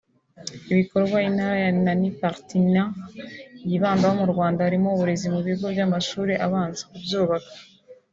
Ibikorwa intara ya Rhenanie Paletinat yibandaho mu Rwanda harimo uburezi mu bigo by’amashuri abanza (kubyubaka)